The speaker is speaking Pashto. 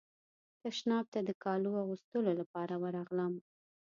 تشناب ته د کالو اغوستلو لپاره ورغلم.